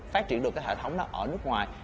phát triển được cái hệ thống đó ở nước ngoài